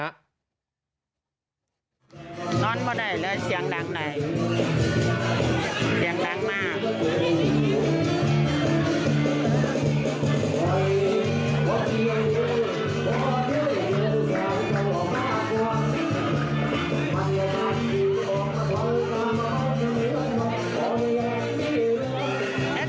นอนไม่ได้เลยเสียงดังไหนเสียงดังมาก